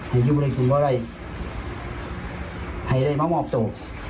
ให้ยุริคุณมารัยให้ได้มาหมอบตัว